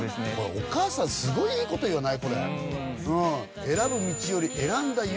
お母さんすごいいいこと言わない？